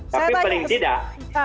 tapi paling tidak